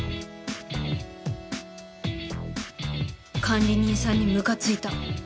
管理人さんにムカついた